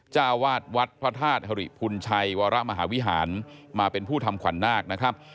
เจ้าวาดวัดพระธาตุฮริพุนชัยวรมหาวิหารมาเป็นผู้ทำขวัญนาคนะครับ